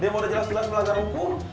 dia mau dijelas jelas melanggar hukum